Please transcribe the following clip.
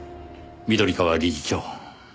緑川理事長。